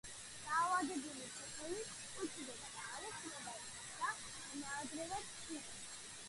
დაავადებული ფოთოლი ყვითლდება, მალე ხმება და ნაადრევად ცვივა.